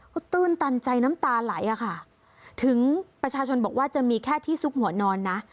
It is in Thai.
ก็ตื้นตันใจน้ำตาไหลอะค่ะถึงประชาชนบอกว่าจะมีแค่ที่ซุกหัวนอนนะ